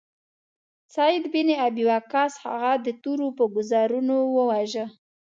سعد بن ابی وقاص هغه د تورو په ګوزارونو وواژه.